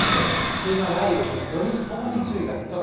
急な雷雨に土日ともに注意が必要です。